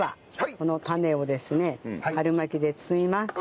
このタネをですね春巻きで包みます。